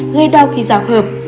gây đau khi giao hợp